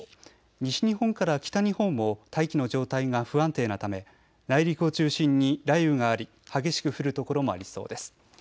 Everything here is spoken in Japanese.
西日本から北日本も大気の状態が不安定なため内陸を中心に雷雨があり激しく降る所もありそうです。